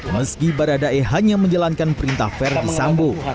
meski barada e hanya menjalankan perintah ferdisambo